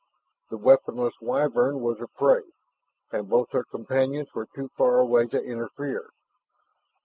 The weaponless Wyvern was the prey, and both her companions were too far away to interfere.